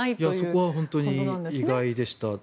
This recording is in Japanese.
そこは本当に意外でした。